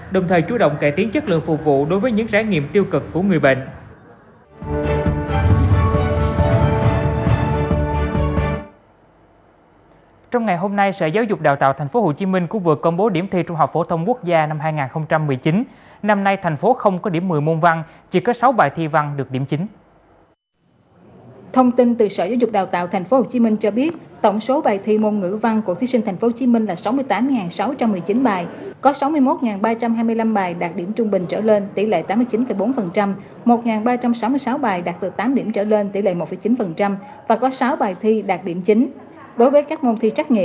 đồng thời chủ động cải tiến chất lượng phục vụ đối với những rãi nghiệm tiêu cực của người bệnh